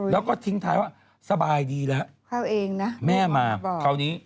แล้วก็ทิ้งท้ายว่าสบายดีแล้ว